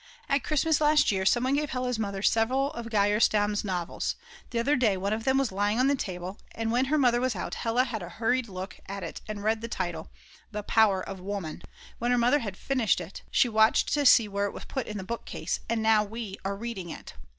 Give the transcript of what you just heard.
At Christmas last year some one gave Hella's mother several of Geierstamm's novels. The other day one of them was lying on the table, and when her mother was out Hella had a hurried look at it and read the title The Power of Woman!!! When her mother had finished it, she watched to see where it was put in the bookcase, and now we are reading it.